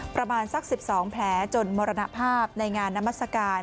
ประมาณสัก๑๒แผลจนมรณภาพในงานนามัศกาล